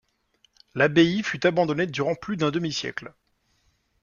L'abbaye fut abandonnée durant plus d’un demi-siècle.